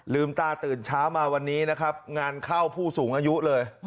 ตาตื่นเช้ามาวันนี้นะครับงานเข้าผู้สูงอายุเลย